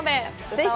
ぜひ。